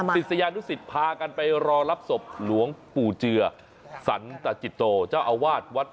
ศิษยานุสิตพากันไปรอรับศพหลวงปู่เจือสันตจิตโตเจ้าอาวาสวัด